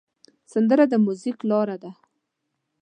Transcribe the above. سندره د میوزیک لاره ده